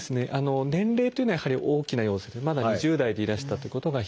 年齢というのはやはり大きな要素でまだ２０代でいらしたということが一つ。